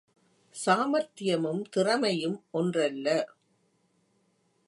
சாமார்த்தியமும் திறமையும் ஒன்றல்ல.